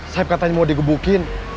saib katanya mau digebukin